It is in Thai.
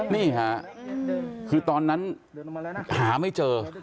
นี่ค่ะคือตอนนั้นหาไม่เจอ